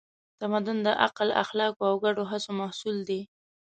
تمدن د عقل، اخلاقو او ګډو هڅو محصول دی.